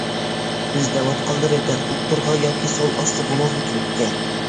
بىز دەۋاتقانلىرى دەل ئوتتۇرىغا ياكى سول ئاستى بۇلۇڭىغا كېلىدىكەن.